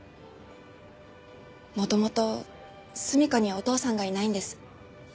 元々純夏にはお父さんがいないんです。